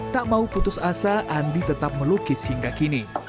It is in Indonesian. tak mau putus asa andi tetap melukis hingga kini